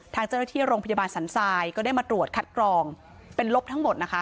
ทางเจ้าหน้าที่โรงพยาบาลสันทรายก็ได้มาตรวจคัดกรองเป็นลบทั้งหมดนะคะ